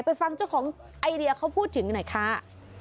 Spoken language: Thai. ไปฟังเจ้าของไอเดียเขาพูดถึงหน่อยค่ะ